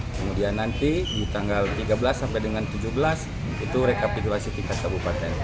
kemudian nanti di tanggal tiga belas sampai dengan tujuh belas itu rekapitulasi tingkat kabupaten